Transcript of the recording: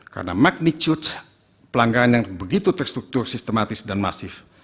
karena magnitude pelanggaran yang begitu terstruktur sistematis dan masif